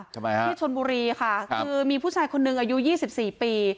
ที่ชนบุรีค่ะคือมีผู้ชายคนนึงอายุ๒๔ปี